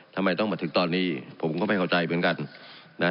ทำไมต้องมาถึงตอนนี้ผมก็ไม่เข้าใจเหมือนกันนะ